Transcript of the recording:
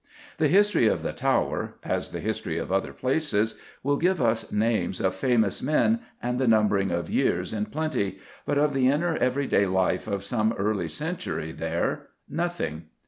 The history of the Tower, as the history of other places, will give us names of famous men and the numbering of years in plenty, but of the inner everyday life of some early century there nothing.